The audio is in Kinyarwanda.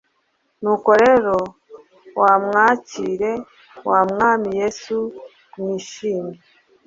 Nuko rero, mumwakire mu Mwami Yesu mwishimye;